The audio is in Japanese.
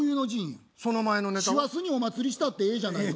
「師走にお祭りしたってええじゃないか！」。